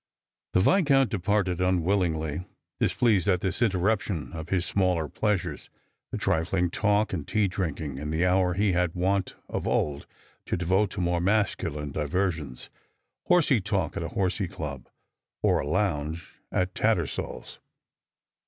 The Viscount departed unwillingly, displeased at this interrup tion of his smaller pleasures, the trifling talk and tea drinking, in the hour he had been wont of old to devote to more masculine diversions — horsey talk at a horsey club, or a lounge at Tattersall's.